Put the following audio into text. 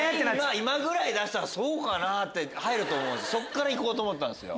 今ぐらい出したら「そうかな？」って入ると思うんでそこから行こうと思ったんすよ。